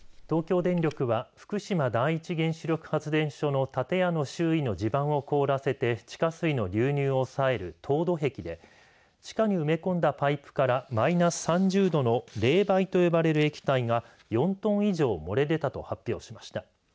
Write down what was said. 東京電力は福島第一原子力発電所の建屋の周囲の地盤を凍らせて地下水の流入を抑える凍土壁で地下に埋め込んだパイプからマイナス３０度の冷媒と呼ばれる液体が４トン以上漏れ出たと発表しました。